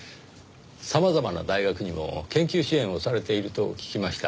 様々な大学にも研究支援をされていると聞きました。